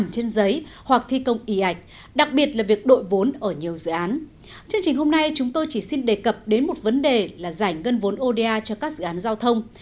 chương trình hôm nay chúng tôi chỉ xin đề cập đến một vấn đề là giải ngân vốn oda cho các dự án giao thông